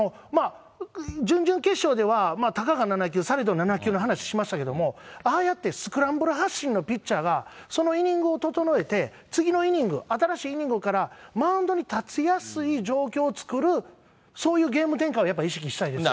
準々決勝ではたかが７球されど７球の話しましたけども、ああやってスクランブル発進のピッチャーがそのイニングを整えて、次のイニング、新しいイニングからマウンドに立ちやすい状況を作る、そういうゲーム展開をやっぱ意識したいですよね。